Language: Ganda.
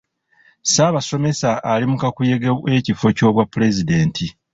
Ssaabasomesa ali mu kakuyege w'ekifo ky'obwa pulezidenti.